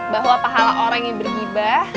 bahwa pahala orang yang bergibah